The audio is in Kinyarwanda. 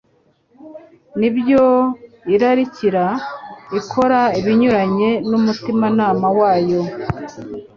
n'ibyo irarikira, ikora ibinyuranye n'umutimanama wayo,